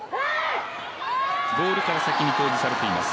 ボールから先に表示されています。